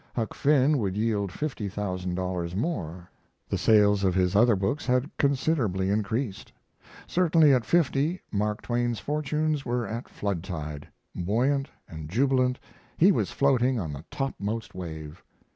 Huck Finn would yield fifty thousand dollars more. The sales of his other books had considerably increased. Certainly, at fifty, Mark Twain's fortunes were at flood tide; buoyant and jubilant, he was floating on the topmost wave.